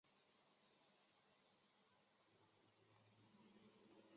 决赛则于预赛翌日同一时间进行。